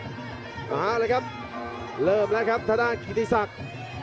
อาถ่าด้วยครับลืมแล้วครับทะด้านกิติศักดิ์